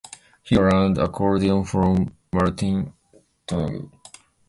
He learned accordion from Martin Donaghue.